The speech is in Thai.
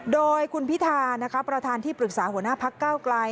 โดยคุณพิธาประธานที่ปรึกษาหัวหน้าพักเก้าไกล